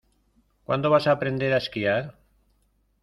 ¿Cuándo vas aprender a esquiar?